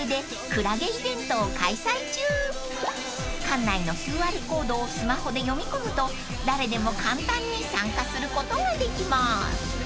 ［館内のＱＲコードをスマホで読み込むと誰でも簡単に参加することができます］